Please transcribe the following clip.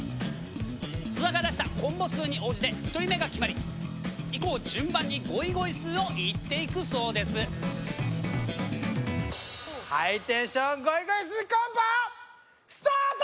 津田が出したコンボ数に応じて１人目が決まり以降順番にゴイゴイスーを言っていくそうですハイテンションゴイゴイスーコンボスタート！